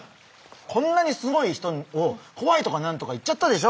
こんなにすごい人を「こわい」とか何とか言っちゃったでしょ？